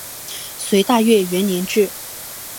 隋大业元年置。